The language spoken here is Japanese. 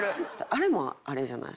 あれもあれじゃない？